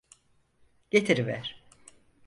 Getiriver!